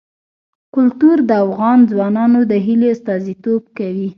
کلتور د افغان ځوانانو د هیلو استازیتوب کوي.